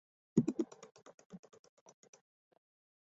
嘉庆十九年登甲戌科进士。